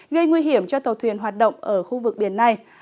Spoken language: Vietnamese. gây nguy hiểm cho tàu thuyền hoạt động ở khu vực biển này